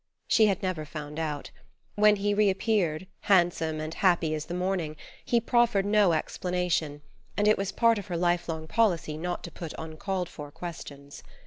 She had never found out. When he reappeared, handsome and happy as the morning, he proffered no explanation; and it was part of her life long policy not to put uncalled for questions.